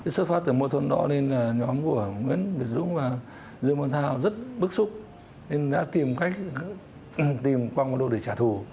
xuất phát từ mâu thuẫn đó nên là nhóm của nguyễn việt dũng và dương văn thao rất bức xúc nên đã tìm cách tìm quang mô lô để trả thù